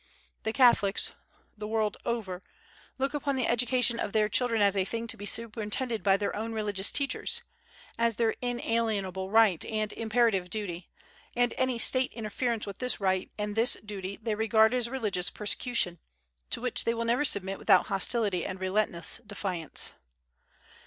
The Catholics, the world over, look upon the education of their children as a thing to be superintended by their own religious teachers, as their inalienable right and imperative duty; and any State interference with this right and this duty they regard as religious persecution, to which they will never submit without hostility and relentless defiance.